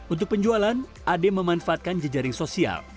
untuk penjualan ade memanfaatkan jejaring sosial